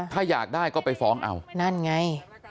ถ้าอยากได้ก็ไปฟ้องเอานั่นไง